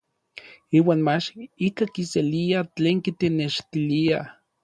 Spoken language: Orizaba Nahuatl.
Iuan mach ikaj kiselia tlen kitenextilia.